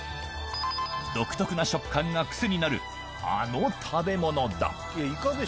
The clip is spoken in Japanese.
独特な食感が癖になる、あの食べ物だ。